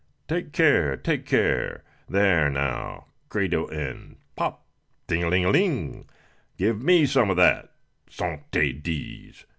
"Take care! take care! There, now Credo in Pop! ting a ling ling! give me some of that. Cent é dize!